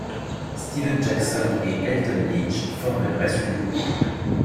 Steven Jackson et Elton Lynch forment le reste du groupe.